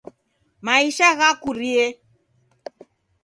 Maisha ghakurie.